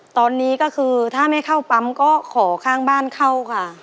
ตอนนี้ก็คือถ้าไม่เข้าปั๊มก็ขอข้างบ้านเข้าค่ะ